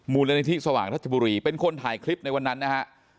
มูลนิธิสว่างรัชบุรีเป็นคนถ่ายคลิปในวันนั้นนะฮะ